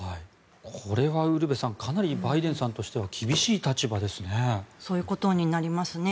これはウルヴェさんかなりバイデンさんとしては厳しい立場ですね。